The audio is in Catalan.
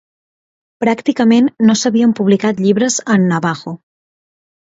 Pràcticament no s'havien publicat llibres en navajo.